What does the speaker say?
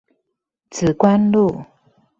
梓官路